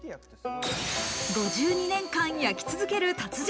５２年間、焼き続ける達人。